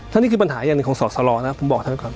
แล้วนี่คือปัญหาอย่างหนึ่งของสอดสลองนะครับผมบอกให้เวลาก่อน